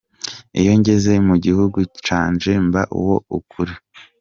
Iyo ngeze mu gihugu canje mba uwo ukuri".